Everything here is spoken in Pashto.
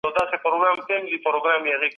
ملکيت بايد د پرمختګ سبب سي.